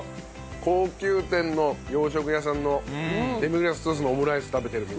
高級店の洋食屋さんのデミグラスソースのオムライス食べてるみたいなね。